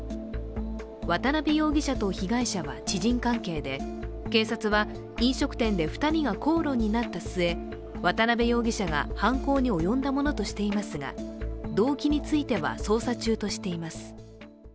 渡邊容疑者と被害者は知人関係で警察は飲食店で２人が口論になった末、渡邊容疑者が犯行に及んだものとしていますが動機については捜査中としています。